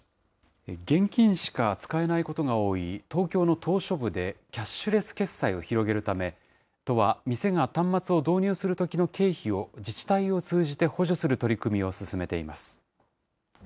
現金しか使えないことが多い東京の島しょ部でキャッシュレス決済を広げるため、都は店が端末を導入するときの経費を自治体を通じて補助する取り組みを進めています。